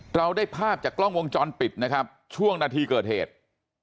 เราได้ภาพจากกล้องวงจรปิดนะครับช่วงนาทีเกิดเหตุ